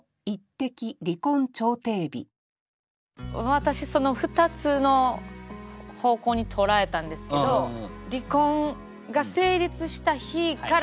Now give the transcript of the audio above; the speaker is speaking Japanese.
私その２つの方向に捉えたんですけど離婚が成立した日から